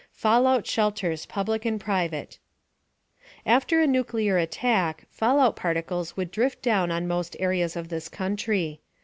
FALLOUT SHELTERS, PUBLIC AND PRIVATE After a nuclear attack, fallout particles would drift down on most areas of this country.